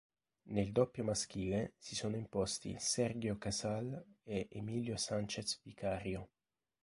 Nel doppio maschile si sono imposti Sergio Casal e Emilio Sánchez Vicario.